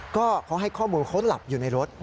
ก็เขาให้ข้อมูลเขาหลับอยู่ในรถ